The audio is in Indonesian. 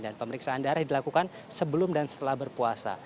dan pemeriksaan darah dilakukan sebelum dan setelah berpuasa